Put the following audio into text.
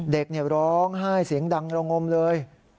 เด็กเนี่ยร้องไห้เสียงดังลงมเลย